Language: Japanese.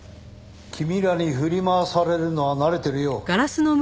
君らに振り回されるのは慣れてるよ。